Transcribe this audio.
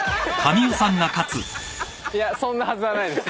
そんなはずはないです。